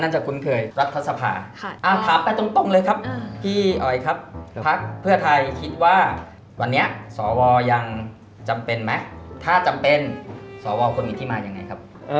อเจมส์มาไปตรงเลยครับพี่ออยครับพรรคเพื่อไทยคิดว่าวันนี้สวอยังจำเป็นไหมถ้าจำเป็นสวควรมีที่มาอย่างไรครับ